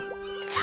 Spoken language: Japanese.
あ！